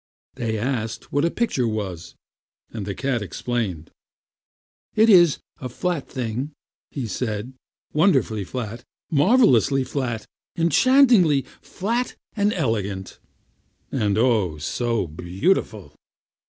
They asked what a picture was, and the cat explained. "It is a flat thing," he said; "wonderfully flat, marvelously flat, enchantingly flat and elegant. And, oh, so beautiful!"